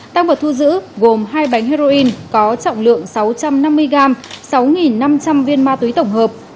tăng vật thu giữ gồm hai bánh heroin có trọng lượng sáu trăm năm mươi gram sáu năm trăm linh viên ma túy tổng hợp